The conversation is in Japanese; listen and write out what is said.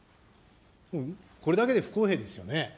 これだけで不公平ですよね。